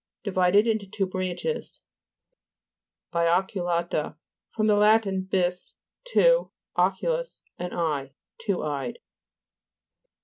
Divided into two branches. BIOCULA'TA fr. lat. bis, two, ocu lus, an eye. Two eyed.